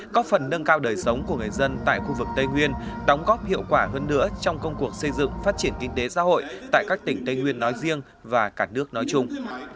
có phần nâng cao đời sống của người dân tại khu vực tây nguyên đóng góp hiệu quả hơn nữa trong công cuộc xây dựng phát triển kinh tế xã hội tại các tỉnh tây nguyên nói riêng và cả nước nói chung